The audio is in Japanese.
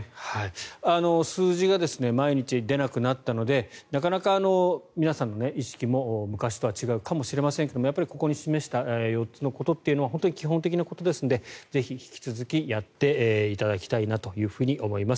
数字が毎日出なくなったのでなかなか皆さんの意識も昔とは違うかもしれませんがここに示した４つのことというのは本当に基本的なことですのでぜひ引き続きやっていただきたいなと思います。